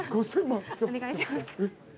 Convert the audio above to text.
お願いします。